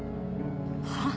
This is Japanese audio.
はっ？